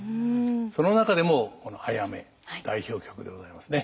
その中でもこの「あやめ」代表曲でございますね。